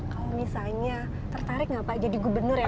kalau misalnya tertarik nggak pak jadi gubernur ya